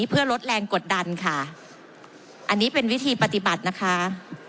เพื่อลดแรงกดดันค่ะอันนี้เป็นวิธีปฏิบัตินะคะ